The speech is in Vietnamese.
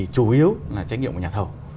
chủ yếu là trách nhiệm của nhà thầu